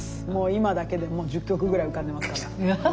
今だけで１０曲ぐらい浮かんでますから。